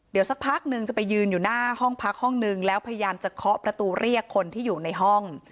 เดี๋ยวสักพักนึงจะไปยืนอยู่หน้าห้องพักห้องนึงแล้วพยายามจะเคาะประตูเรียกคนที่อยู่ในห้อง